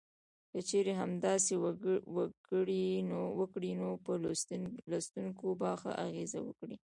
که چېرې همداسې وکړي نو په لوستونکو به ښه اغیز وکړي.